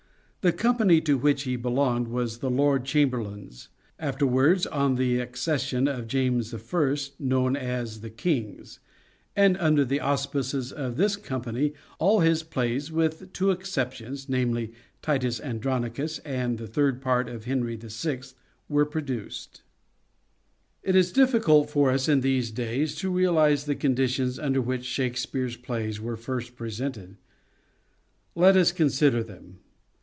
The company to which he belonged was the Lord Chamberlain's, afterwards, on the accession of James I., known as the King's, and under the auspices of this company all his plays, with two exceptions — namely, " Titus Andronicus " and " The Third Part of Henry VI." — were produced. It is difficult for us in these days to realise the conditions under which Shakespeare's plays were first presented. Let us consider them.